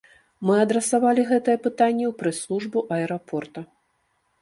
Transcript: Мы адрасавалі гэтае пытанне ў прэс-службу аэрапорта.